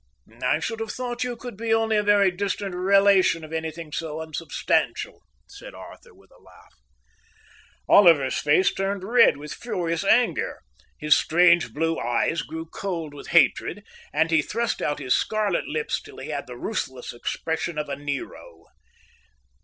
"I should have thought you could be only a very distant relation of anything so unsubstantial," said Arthur, with a laugh. Oliver's face turned red with furious anger. His strange blue eyes grew cold with hatred, and he thrust out his scarlet lips till he had the ruthless expression of a Nero.